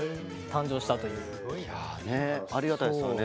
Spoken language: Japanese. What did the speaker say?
ありがたいですよね。